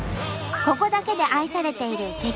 ここだけで愛されている激